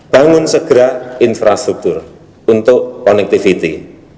bangun segera infrastruktur untuk connectivity